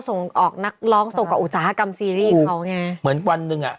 ส่งออกนักร้องส่งกับอุตสาหกรรมซีรีส์เขาไงเหมือนวันหนึ่งอ่ะ